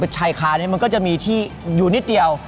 ชายคาเนี่ยมันก็จะมีที่อยู่นิดเดียว